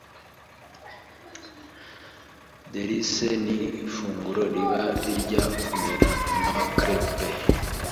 Delice ni ifunguro riba rijya kumera nka crepe